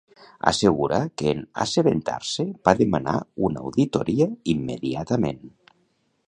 Assegura que en assabentar-se va demanar una auditoria immediatament.